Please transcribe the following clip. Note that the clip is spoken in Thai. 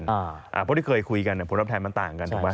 เพราะที่เคยคุยกันผลตอบแทนมันต่างกันถูกไหม